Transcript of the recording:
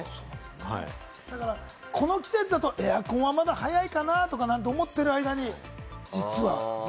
この季節だとエアコンはまだ早いかな？なんて思ってるときに、実は。